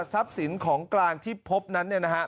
สินของกลางที่พบนั้น